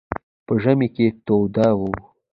په ژمي کې توده وه.